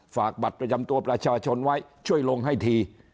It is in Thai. ฝากบัตรประจำตัวประชาชนไว้ช่วยลงให้ที